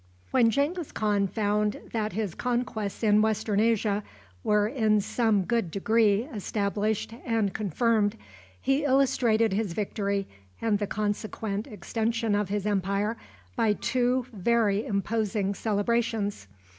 When Genghis Khan found that his conquests in Western Asia were in some good degree established and confirmed, he illustrated his victory and the consequent extension of his empire by two very imposing celebrations.